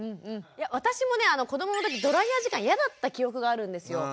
私もね子どもの時ドライヤー時間嫌だった記憶があるんですよ。